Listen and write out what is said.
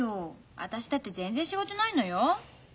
私だって全然仕事ないのよ。